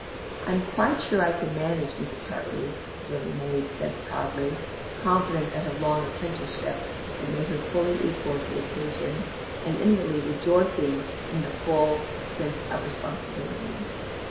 "I'm quite sure I can manage, Mrs. Hartley," the little maid said proudly, confident that her long apprenticeship had made her fully equal to the occasion, and inwardly rejoicing in the full sense of responsibility.